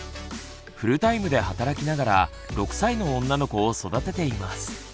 フルタイムで働きながら６歳の女の子を育てています。